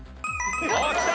おっきた！